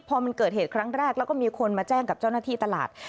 พอมันเกิดเหตุครั้งแรกแล้วก็มีคนมาแจ้งกับเจ้าหน้าที่ตลาด